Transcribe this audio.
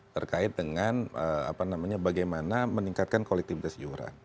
terkait dengan apa namanya bagaimana meningkatkan kolektivitas hidup